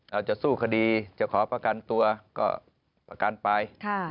เราจะสู้ขดีจะขอประกันตัวก็ไป